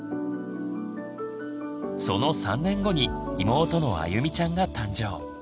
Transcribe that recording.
その３年後に妹のあゆみちゃんが誕生。